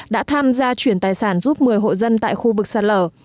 đã tham gia chuyển tài sản giúp một mươi hộ dân tại khu vực sạt lở